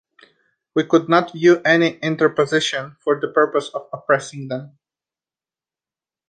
We could not view any interposition for the purpose of oppressing them.